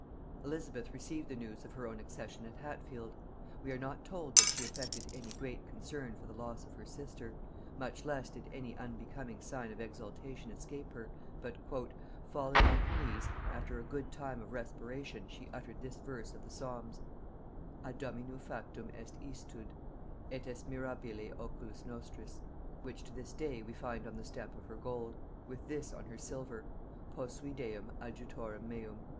Elizabeth received the news of her own accession at Hatfield. We are not told that she affected any great concern for the loss of her sister, much less did any unbecoming sign of exultation escape her; but, "falling on her knees, after a good time of respiration she uttered this verse of the Psalms; A Domino factum est istud, et est mirabile oculis nostris: which to this day we find on the stamp of her gold; with this on her silver, Posui Deum adjutorem meum."